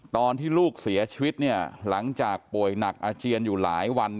ตอนที่ลูกเสียชีวิตหลังจากป่วยหนักอาเจียนอยู่หลายวัน